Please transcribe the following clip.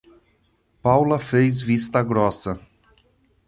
Paula fez vista grossa.